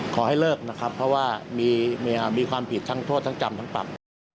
ขอให้เลิกนะครับเพราะว่ามีความผิดทั้งโทษทั้งจำทั้งปรับ